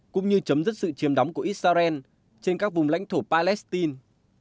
cũng như chấm dứt sự chiếm đóng của israel trên các vùng lãnh thổ palestine